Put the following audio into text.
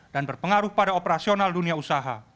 dan berpengaruh pada operasional dunia usaha